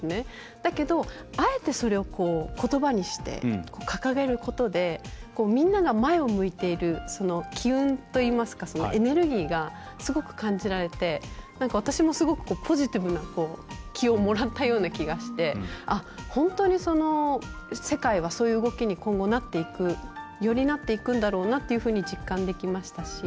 だけど、あえてそれをことばにして掲げることでみんなが前を向いている機運といいますかエネルギーが、すごく感じられて私も、すごくポジティブな気をもらったような気がして本当に、世界はそういう動きに今後よりなっていくんだろうなっていうふうに実感できましたし。